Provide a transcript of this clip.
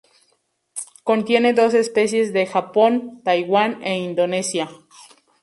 Contiene dos especies de Japón, Taiwán e Indonesia.